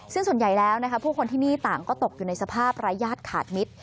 ซึ่งส่วนใหญ่แล้วผู้คนที่นี่ต่างก็ตกอยู่ในสภาพรายญาติขาดมิตร